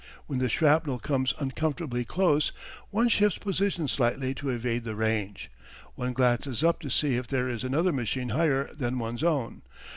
When the shrapnel comes uncomfortably close, one shifts position slightly to evade the range. One glances up to see if there is another machine higher than one's own.